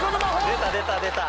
出た出た出た。